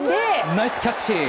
ナイスキャッチ！